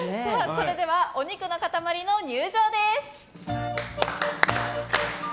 それでは、お肉の塊入場です。